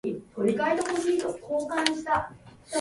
秋田県潟上市